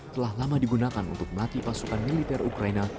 telah lama digunakan untuk melatih pasukan militer ukraina